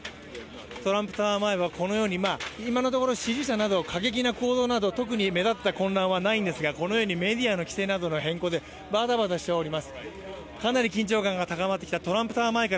トランプタワー前はこのように今のところ支持者など過激な行動など特に目立った混乱はないんですがこのようにメディアの規制などの変更でバタバタしております。